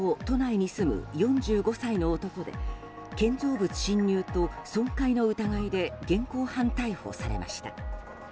都内に住む４５歳の男で建造物侵入と損壊の疑いで現行犯逮捕されました。